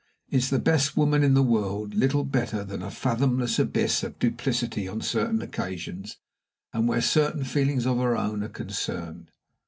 Is the best woman in the world little better than a fathomless abyss of duplicity on certain occasions, and where certain feelings of her own are concerned?